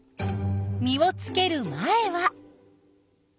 実をつける前は。